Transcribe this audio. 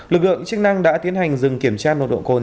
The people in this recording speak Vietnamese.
lực lượng chức năng đã tiến hành dừng kiểm tra nồng độ cồn